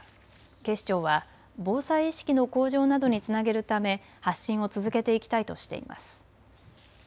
警視庁は防災意識の向上などにつなげるため発信を続けていきたいとしています。